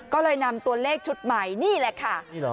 ก็เลยนำตัวเลขชุดใหม่นี่แหละค่ะ